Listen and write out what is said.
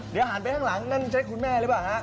เดี๋ยวหันไปข้างหลังนั่นใช่คุณแม่หรือเปล่าฮะ